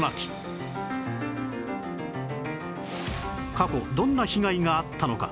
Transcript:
過去どんな被害があったのか？